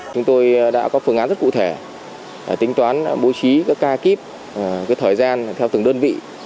chúng tôi đã có phương án rất cụ thể tính toán bố trí các ca kíp thời gian theo từng đơn vị